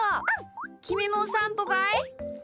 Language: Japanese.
きみもおさんぽかい？